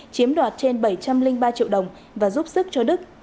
chiếm đoạt trên bảy trăm linh ba triệu đồng và giúp sức cho đức